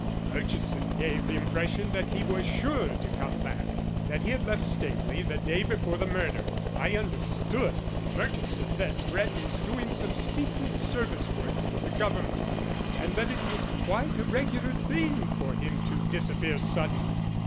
"Murchison gave the impression that he was sure to come back that he had left Staveley the day before the murder. I understood from Murchison that Brett is doing some secret service work for the Government, and that it was quite a regular thing for him to disappear suddenly."